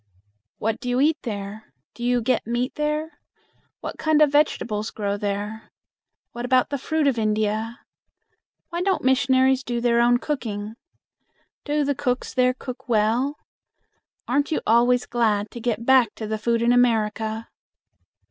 "What do you eat there? Do you get meat there? What kind of vegetables grow there? What about the fruit of India? Why don't missionaries do their own cooking? Do the cooks there cook well? Aren't you always glad to get back to the food in America?"